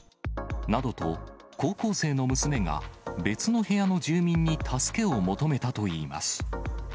などと、高校生の娘が別の部屋の住民に助けを求めたといいます。